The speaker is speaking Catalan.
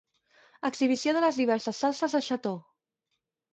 Exhibició de les diverses salses de xató.